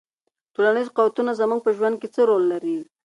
ټولنیز قوتونه زموږ په ژوند کې څه رول لري؟